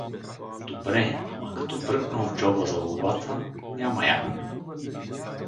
Добре, ама като бръкнал в джоба за лулата — няма я.